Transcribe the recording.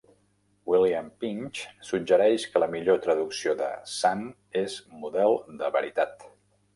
William Pinch suggereix que la millor traducció de "sant" és "model de veritat".